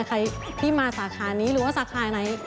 ใครที่มาสาขานี้หรือว่าสาขาไหน